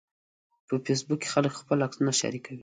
په فېسبوک کې خلک خپل عکسونه شریکوي